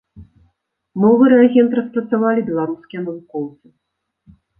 Новы рэагент распрацавалі беларускія навукоўцы.